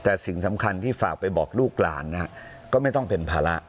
แต่สิ่งสำคัญที่ฝากไปบอกลูกหลานนะฮะก็ไม่ต้องเป็นภาระ